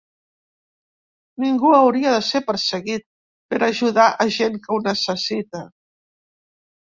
Ningú hauria de ser perseguit per ajudar a gent que ho necessita.